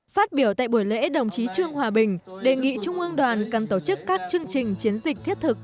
phát biểu tại buổi lễ đồng chí trương hòa bình đề nghị trung ương đoàn cần tổ chức các chương trình chiến dịch thiết thực